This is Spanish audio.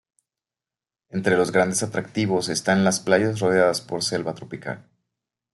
Entre los grandes atractivos están las playas rodeadas por selva tropical.